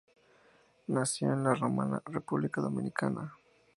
Nació en La Romana, República Dominicana.